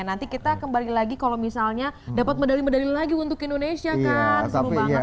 nanti kita kembali lagi kalau misalnya dapat medali medali lagi untuk indonesia kan seru banget